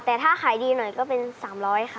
แต่ถ้าขายดีหน่อยก็เป็น๓๐๐ค่ะ